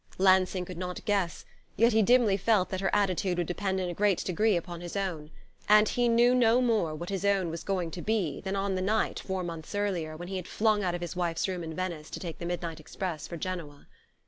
Lansing could not guess; yet he dimly felt that her attitude would depend in a great degree upon his own. And he knew no more what his own was going to be than on the night, four months earlier, when he had flung out of his wife's room in Venice to take the midnight express for Genoa.